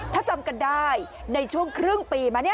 ถ้าจำกันได้ในช่วงครึ่งปีมา